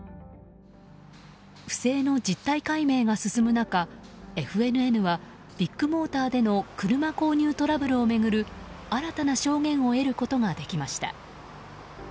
不正の実態解明が進む中ＦＮＮはビッグモーターでの車購入トラブルを巡る新たな証言を得ることができました。